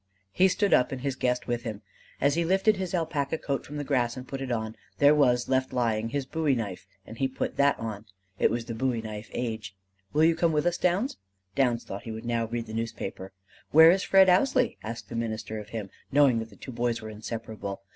He stood up, and his guest with him. As he lifted his alpaca coat from the grass and put it on, there was left lying his bowie knife, and he put that on. It was the bowie knife age. "Will you come with us, Downs?" Downs thought he would now read the newspaper. "Where is Fred Ousley?" asked the minister of him, knowing that the two boys were inseparable.